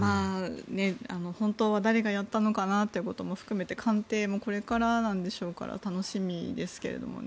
本当は誰がやったのかなということも含めて鑑定もこれからなんでしょうから楽しみですけどね。